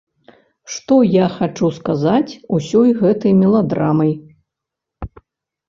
Што я хачу сказаць ўсёй гэтай меладрамай.